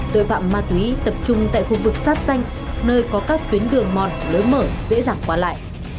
tội phạm ma túy tập trung tại khu vực sát xanh nơi có các tuyến đường mòn lối mở dễ dàng qua lại